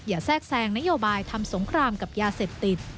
แทรกแซงนโยบายทำสงครามกับยาเสพติด